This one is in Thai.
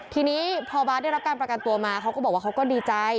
ทีนี้พอบาร์ดได้รับการประกันตัวมาเขาก็บอกว่าเขาก็ดีใจ